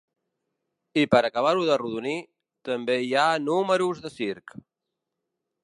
I per acabar-ho d’arrodonir, també hi ha números de circ.